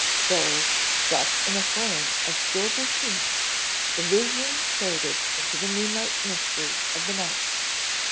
So, set in a frame of silver sheen, the vision faded into the moonlit mystery of the night.